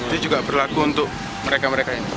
ini juga berlaku untuk mereka mereka ini